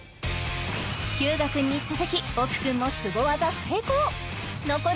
日向君に続き奥君もすご技成功！